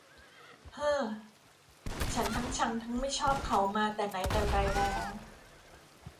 เฮ่อ ฉันทั้งชังทั้งไม่ชอบเขามาแต่ไหนแต่ไรแล้ว